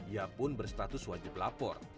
ia pun berstatus wajib lapor